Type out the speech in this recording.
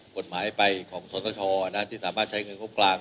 กฎหมายไปของสตชที่สามารถใช้เงินงบกลาง